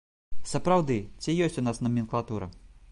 Сапраўды, ці ёсць у нас наменклатура?